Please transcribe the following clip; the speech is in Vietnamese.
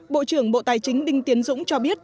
bộ trưởng bộ tài chính đinh tiến dũng cho biết